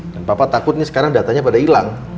dan papa takut nih sekarang datanya pada hilang